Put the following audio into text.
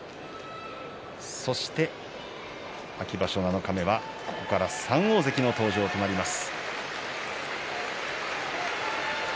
そして秋場所七日目はここから３大関の登場となります。